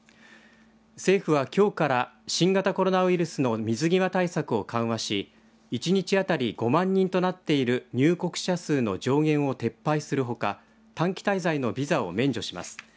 政府は、きょうから新型コロナウイルスの水際対策を緩和し１日当たり５万人となっている入国者数の上限を撤廃するほか短期滞在のビザを免除します。